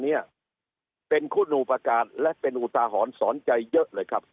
เนี่ยเป็นคุณอุปการณ์และเป็นอุทาหรณ์สอนใจเยอะเลยครับ